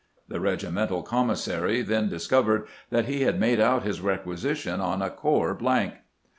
The regimental commissary then discovered that he had made out his requisition on a corps blank."